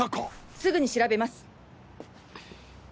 すぐに調べます！